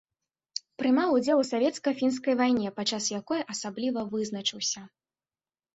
Прымаў удзел у савецка-фінскай вайне, падчас якой асабліва вызначыўся.